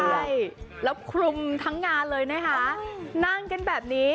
ใช่แล้วคลุมทั้งงานเลยนะคะนั่งกันแบบนี้